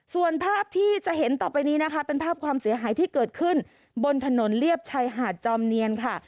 ส่วนภาพที่จะเห็นต่อไปนี้นะคะเป็นภาพความเสียหายที่เกิดขึ้นบนถนนเรียบชายหาดจอมเนียนค่ะ